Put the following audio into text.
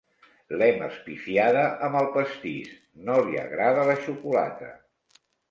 L'hem espifiada amb el pastís: no li agrada la xocolata.